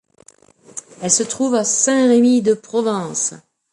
Elle se trouve à Saint-Rémy-de-Provence.